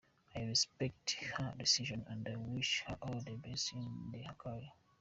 i respect her decision and i wish her all the best in her career.